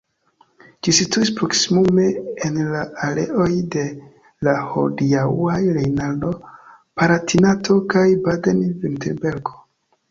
Ĝi situis proksimume en la areoj de la hodiaŭaj Rejnlando-Palatinato kaj Baden-Virtembergo.